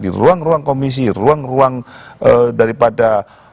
di ruang ruang komisi ruang ruang daripada